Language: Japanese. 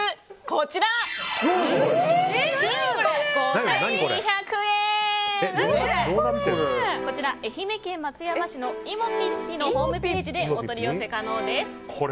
こちら、愛媛県松山市の芋ぴっぴ。のホームページでお取り寄せが可能です。